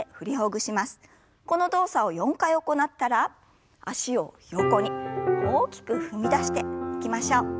この動作を４回行ったら脚を横に大きく踏み出していきましょう。